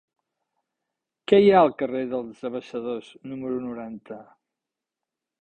Què hi ha al carrer dels Abaixadors número noranta?